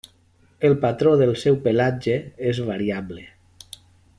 El patró del seu pelatge és variable.